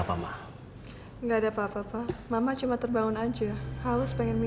tentang apa yang terjadi